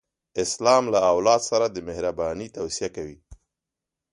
اسلام له اولاد سره د مهرباني توصیه کوي.